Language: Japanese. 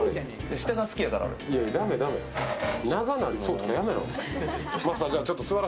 下が好きやから。